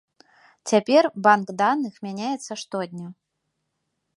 Цяпер банк даных мяняецца штодня.